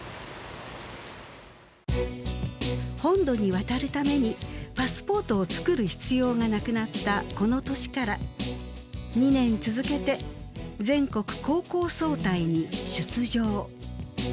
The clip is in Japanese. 本土に渡るためにパスポートを作る必要がなくなったこの年から２年続けて全国高校総体に出場。